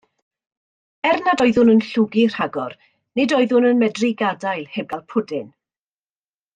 Er nad oeddwn yn llwgu rhagor, nid oeddwn yn medru gadael heb gael pwdin!